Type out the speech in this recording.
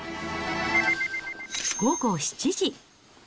午後７時。